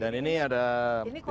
dan ini ada biskuit